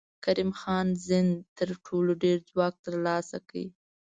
کریم خان زند تر ټولو ډېر ځواک تر لاسه کړ.